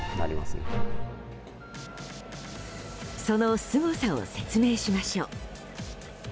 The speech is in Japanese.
そのすごさを説明しましょう。